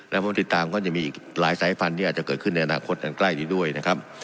และพบติดตามก็จะมีหลายสายพันธุ์อาจจะเกิดขึ้นในอนาคตกล้ายดีด้วยนะครับ